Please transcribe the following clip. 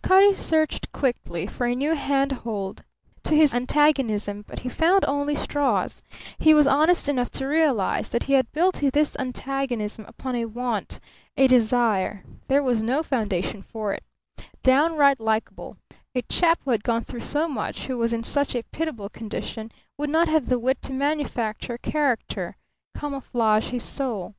Cutty searched quickly for a new handhold to his antagonism, but he found only straws. He was honest enough to realize that he had built this antagonism upon a want, a desire; there was no foundation for it. Downright likeable. A chap who had gone through so much, who was in such a pitiable condition, would not have the wit to manufacture character, camouflage his soul.